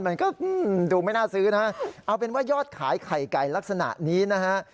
มันก็ดูไม่น่าซื้อนะเอาเป็นว่ายอดขายไข่ไก่ลักษณะนี้นะฮะ